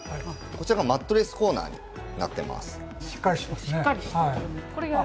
こちらがマットレスコーナーになっています。